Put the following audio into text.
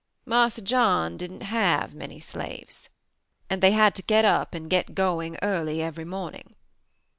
Marse John didn't have many slaves and they had to get up and get going early every morning.